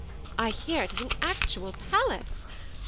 I hear it is an actual palace.